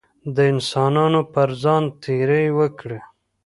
د انسانانو پر ځان تېری وکړي.